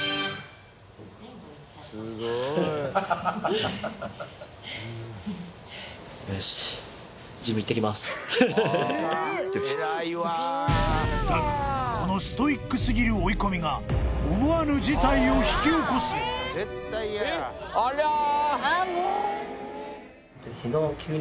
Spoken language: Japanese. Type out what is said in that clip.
いってらっしゃいだがこのストイックすぎる追い込みが思わぬ事態を引き起こすあらあ